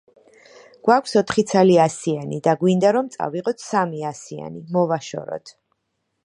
გვაქვს ოთხი ცალი ასიანი და გვინდა რომ წავიღოთ სამი ასიანი, მოვაშოროთ.